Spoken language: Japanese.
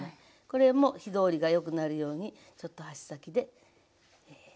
これも火通りがよくなるようにちょっと箸先で。